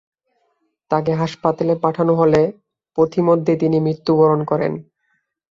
তাকে হাসপাতালে পাঠানো হলে পথিমধ্যে তিনি মৃত্যুবরণ করেন।